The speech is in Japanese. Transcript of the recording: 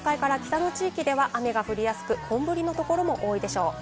東海から北の地域では雨が降りやすく本降りのところも多いでしょう。